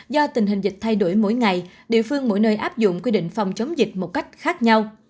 do tình hình dịch thay đổi mỗi ngày địa phương mỗi nơi áp dụng quy định phòng chống dịch một cách khác nhau